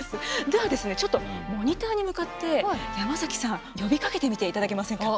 ではですねちょっとモニターに向かって山崎さん呼びかけてみていただけませんか。